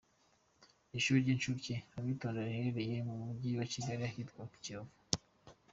Ishuri ry’Incuke Abitonda riherereye mu mujyi wa Kigali ahitwa mu Kiyovu.